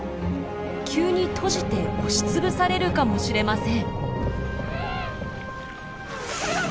急に閉じて押し潰されるかもしれません。